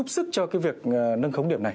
sức cho cái việc nâng khống điểm này